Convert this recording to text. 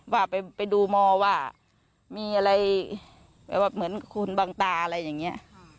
ว่าไปดูมอว่ามีอะไรแบบว่าเหมือนคุณบังตาอะไรอย่างนี้